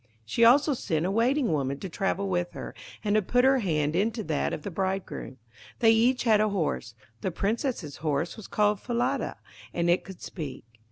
She also sent a Waiting woman to travel with her, and to put her hand into that of the bridegroom. They each had a horse. The Princess's horse was called Falada, and it could speak.